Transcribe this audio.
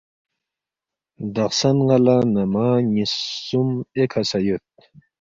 دخسن ن٘ا لہ نمہ نِ٘یس خسوم ایکھہ سہ یود